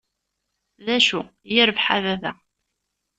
D acu, yirbeḥ a baba".